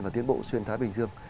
và tiến bộ xuyên thái bình dương